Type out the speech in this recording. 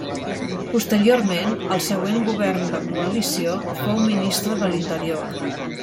Posteriorment, al següent govern de coalició, fou Ministre de l'Interior.